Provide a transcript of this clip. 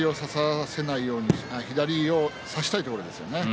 左を差したいところですよね。